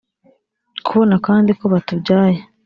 Kubona kandi ko batubyaye